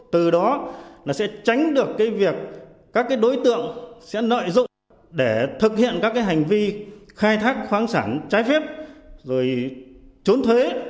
từ đó sẽ tránh được các đối tượng nội dung để thực hiện các hành vi khai thác khoáng sản trái phép trốn thuế